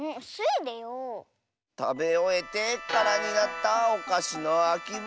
たべおえてからになったおかしのあきぶくろのなまえは。